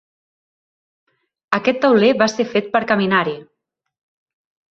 Aquest tauler va ser fet per caminar-hi.